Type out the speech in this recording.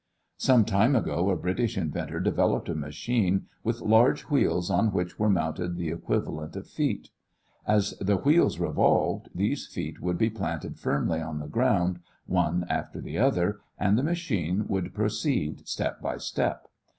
Some time ago a British inventor developed a machine with large wheels on which were mounted the equivalent of feet. As the wheels revolved, these feet would be planted firmly on the ground, one after the other, and the machine would proceed step by step.